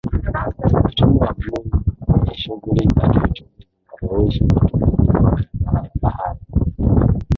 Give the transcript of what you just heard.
Uchumi wa Blue ni shughuli za kiuchumi zinazohusu matumizi bora ya bahari